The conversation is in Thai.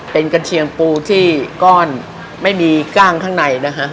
เป็นกระเทียมปูที่ก้อนไม่มีกล้างข้างในนะฮะ